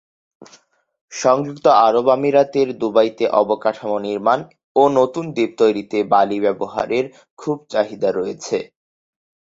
সংযুক্ত আরব আমিরাতের দুবাইতে অবকাঠামো নির্মাণ ও নতুন দ্বীপ তৈরিতে বালি ব্যবহারের খুব চাহিদা রয়েছে।